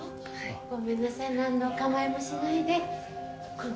ごめんなさい何のお構いもしないで今度